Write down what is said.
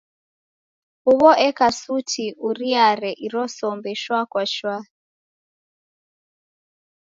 Huw'o eka suti uriare iro sombe shwa kwa shwa.